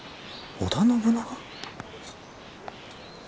織田信長？